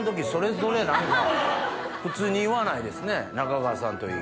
普通に言わないですね中川さんといい。